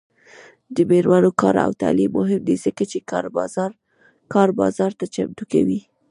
د میرمنو کار او تعلیم مهم دی ځکه چې کار بازار ته چمتو کوي.